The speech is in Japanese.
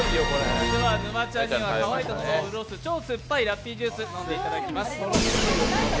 では、沼ちゃんには乾いた喉を潤す超酸っぱいラッピージュースを飲んでいただきます。